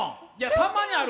たまにある。